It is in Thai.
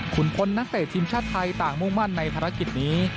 คุณพลนักเตะทีมชาติไทยต่างมุ่งมั่นในภารกิจนี้